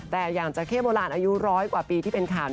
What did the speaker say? แต่อย่างจักรเคบโบราณอายุ๑๐๐กว่าปีที่เป็นข่าว